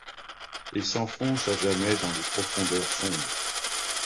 Et s'enfonce à jamais dans les profondeurs sombres.